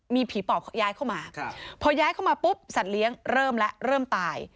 มีผีปอบย้ายเข้ามาพอย้ายเข้ามาปุ๊บสัตว์เลี้ยงเริ่มแล้วเริ่มตาย